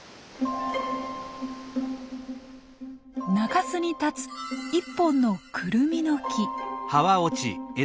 中州に立つ１本のクルミの木。